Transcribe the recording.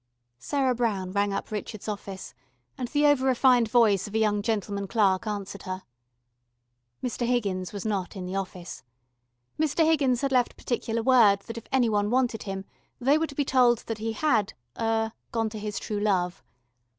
Sarah Brown rang up Richard's office, and the over refined voice of a young gentleman clerk answered her. Mr. Higgins was not in the office. Mr. Higgins had left particular word that if any one wanted him they were to be told that he had er gone to his True Love.